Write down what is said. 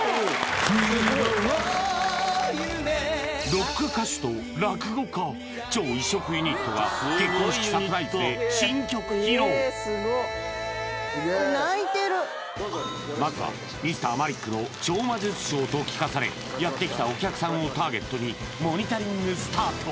ロック歌手と落語家超異色ユニットが結婚式サプライズで新曲披露まずはＭｒ．マリックの超魔術ショーと聞かされやってきたお客さんをターゲットにモニタリングスタート